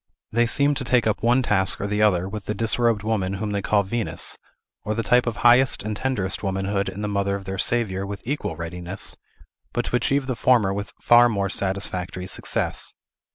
They seem to take up one task or the other w the disrobed woman whom they call Venus, or the type of highest and tenderest womanhood in the mother of their Saviour with equal readiness, but to achieve the former with far more satisfactory success.